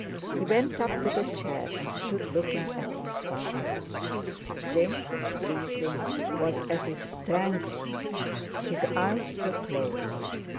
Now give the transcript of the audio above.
He went up to the chair and stood looking at his father. James' breathing was as if strangled; his eyes were closed.